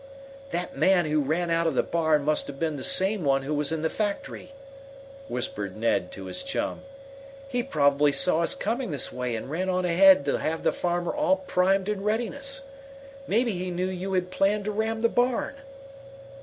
"That man who ran out of the barn must have been the same one who was in the factory," whispered Ned to his chum. "He probably saw us coming this way and ran on ahead to have the farmer all primed in readiness. Maybe he knew you had planned to ram the barn."